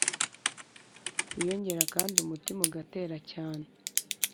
wiyongera kandi umutima ugatera cyane